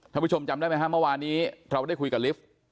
ผู้ชมจำได้ไหมฮะเมื่อวานนี้เราได้คุยกับลิฟต์